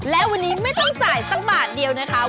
และวันนี้ไม่ต้องจ่ายสักบาทเดียวนะคะ